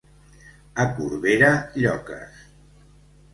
A Corbera, lloques.